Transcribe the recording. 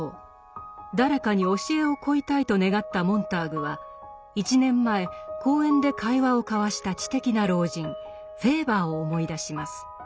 誰かに教えを乞いたいと願ったモンターグは１年前公園で会話を交わした知的な老人フェーバーを思い出します。